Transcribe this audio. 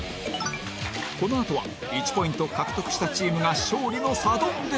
このあとは１ポイント獲得したチームが勝利のサドンデスに